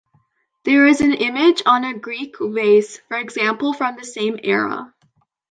There is an image on a Greek vase, for example, from the same era.